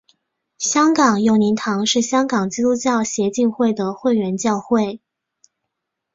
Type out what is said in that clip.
香港佑宁堂是香港基督教协进会的会员教会。